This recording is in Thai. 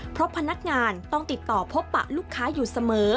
เพราะพนักงานต้องติดต่อพบปะลูกค้าอยู่เสมอ